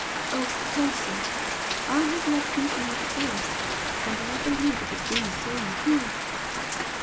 Oh, Percy, I have loved you from the first; and I believe it has been the same with you."